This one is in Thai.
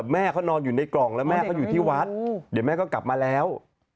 แม่เขานอนอยู่ในกล่องแล้วแม่เขาอยู่ที่วัดเดี๋ยวแม่ก็กลับมาแล้ว